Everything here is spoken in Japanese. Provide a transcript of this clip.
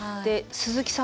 鈴木さん